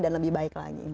dan lebih baik lagi